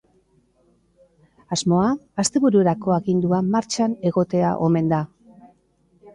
Asmoa astebururako agindua martxan egotea omen da.